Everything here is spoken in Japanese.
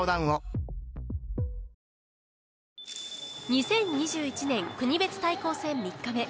２０２１年国別対抗戦３日目。